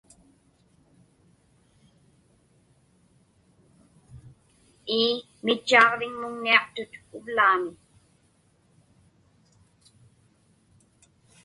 Ii, mitchaaġviŋmuŋniaqtut uvlaami.